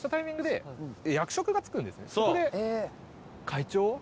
そこで会長。